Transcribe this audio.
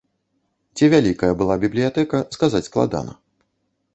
Ці вялікая была бібліятэка, сказаць складана.